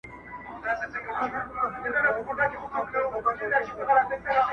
اوبه به را سي پکښي به ځغلي -